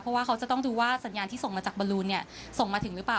เพราะว่าเขาจะต้องดูว่าสัญญาณที่ส่งมาจากบอลลูนเนี่ยส่งมาถึงหรือเปล่า